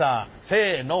せの。